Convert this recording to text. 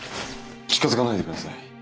近づかないでください。